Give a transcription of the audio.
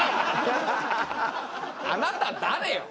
あなた誰よ？